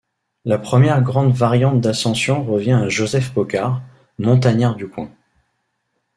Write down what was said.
La première grande variante d'ascension revient à Joseph Poccard, montagnard du coin.